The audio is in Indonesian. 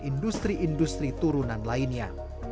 industri industri turunan lainnya